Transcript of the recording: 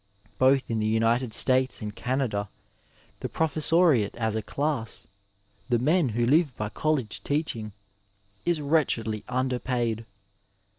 Both in the United States and Canada the professoriate as a class, the men who live by college teaching, is wretchedly underpaid.